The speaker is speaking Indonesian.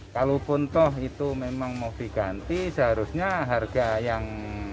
kalaupun toh itu memang mau diganti seharusnya harga yang